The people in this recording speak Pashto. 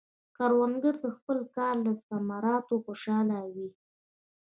کروندګر د خپل کار له ثمراتو خوشحال وي